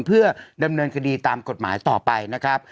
เพื่อดำเนินคดีตามกฎหมายต่อไปนะครับ